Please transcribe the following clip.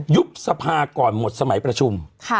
ยุบสภาก่อนหมดสมัยประชุม